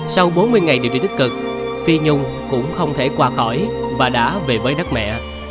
sau bốn mươi ngày điều trị tích cực phi nhung cũng không thể qua khỏi và đã về với đất mẹ